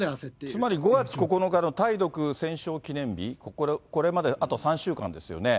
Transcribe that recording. つまり５月９日の対独戦勝記念日、これまであと３週間ですよね。